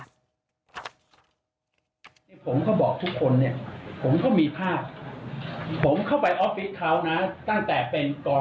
ผมก็บอกทุกคนเนี่ยผมก็มีภาพ